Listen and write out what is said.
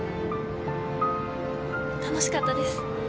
楽しかったです。